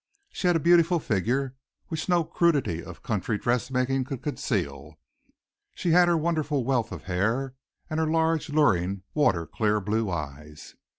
She had a beautiful figure, which no crudity of country dressmaking could conceal. She had her wonderful wealth of hair and her large, luring, water clear blue eyes.